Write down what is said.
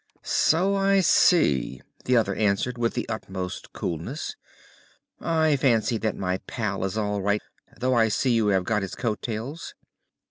"So I see," the other answered with the utmost coolness. "I fancy that my pal is all right, though I see you have got his coat tails."